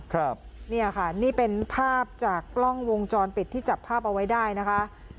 ครับเนี่ยค่ะนี่เป็นภาพจากกล้องวงจรปิดที่จับภาพเอาไว้ได้นะคะ